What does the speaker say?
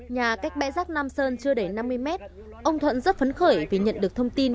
nhà cách bãi rác nam sơn chưa đầy năm mươi mét ông thuận rất phấn khởi vì nhận được thông tin